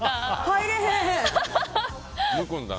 入れへん！